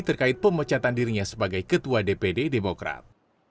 terkait pemecatan dirinya sebagai ketua dpd demokrat